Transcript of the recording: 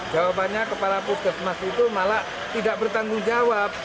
jawabannya kepala puskesmas itu malah tidak bertanggung jawab